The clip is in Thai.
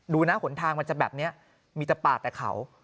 ดูนะหนทางมันจะแบบนี้มีแต่ป่าแต่เขา